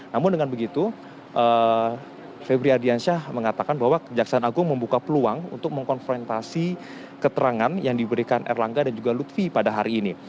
namun dengan begitu febri ardiansyah mengatakan bahwa kejaksaan agung membuka peluang untuk mengkonfrontasi keterangan yang diberikan erlangga dan juga lutfi pada hari ini